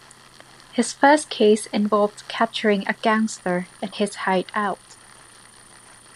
His first case involved capturing a gangster in his hideout.